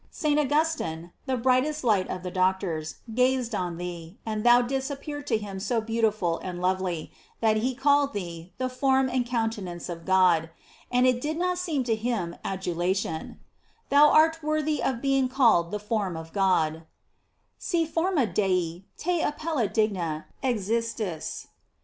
St. Augustine, the brightest light of the Doctors, gazed on thee, and thou didst ap pear to him so beautiful and lovely, that he called thee the form and countenance of God, and it did not seem to him adulation: Thou art worthy of being called the form of God : "Si formam Dei te appellem digna existis."